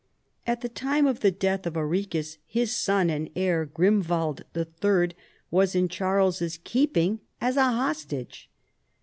At the time of the death of Arichis, his son and heir Grimwald III. was in Charles's keeping as a hostage.